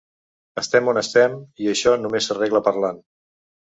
Estem on estem i això només s’arregla parlant.